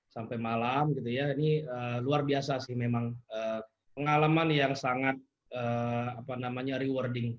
sampai malam gitu ya ini luar biasa sih memang pengalaman yang sangat apa namanya rewarding